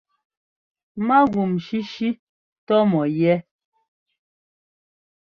Mágúm shíshí tɔ́ mɔ yɛ́.